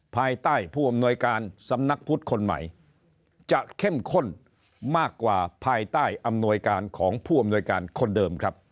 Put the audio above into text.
ภายใต้ผู้อำนวยการสำนักพุทธคนใหม่จะเข้มข้นมากกว่าภายใต้อำนวยการของผู้อำนวยการคนเดิมครับ